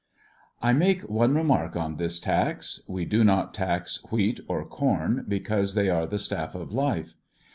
^' I make one remark on this tax. We do not tax wheat or corn, because they are the staff of life.